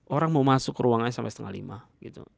orang mau masuk ke ruangannya sampai setengah lima gitu